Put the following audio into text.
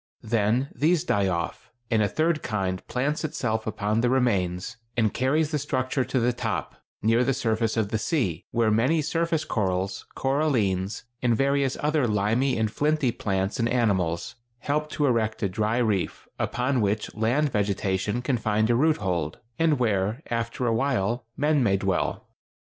Then these die off, and a third kind plants itself upon their remains and carries the structure to the top, near the surface of the sea, where many surface corals, corallines, and various other limy and flinty plants and animals help to erect a dry reef, upon which land vegetation can find a root hold, and where, after a while, men may dwell.